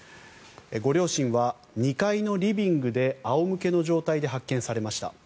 ご両親は２階のリビングで仰向けの状態で発見されました。